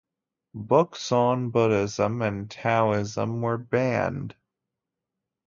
Books on Buddhism and Taoism were banned.